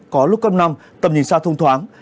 có lúc cấp năm tầm nhìn xa thông thoáng